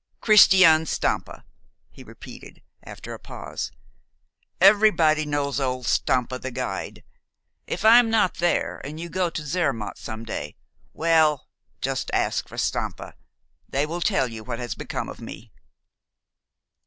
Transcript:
"Christian Stampa," he repeated, after a pause. "Everybody knows old Stampa the guide. If I am not there, and you go to Zermatt some day well, just ask for Stampa. They will tell you what has become of me."